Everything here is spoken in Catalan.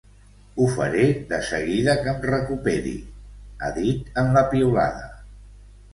Ho faré de seguida que em recuperi, ha dit en la piulada.